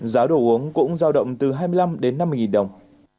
giá đồ uống cũng giao động từ hai mươi năm đến năm mươi đồng